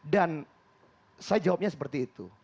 dan saya jawabnya seperti itu